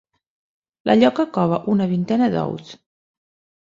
La lloca cova una vintena d'ous.